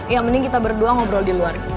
ya mending kita berdua ngobrol di luar